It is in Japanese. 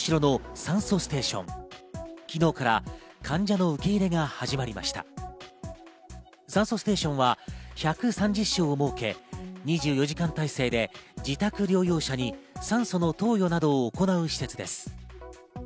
酸素ステーションは１３０床を設け、２４時間体制で自宅療養者に酸素の投与などを行う施設です。